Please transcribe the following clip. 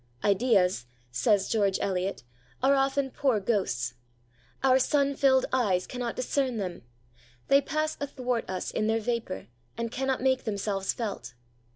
'Ideas,' says George Eliot, 'are often poor ghosts; our sun filled eyes cannot discern them; they pass athwart us in their vapour and cannot make themselves felt.